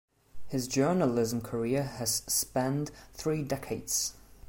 His journalism career has spanned three decades.